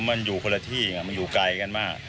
มันอยู่คนละที่ไงมันอยู่ไกลกันมาก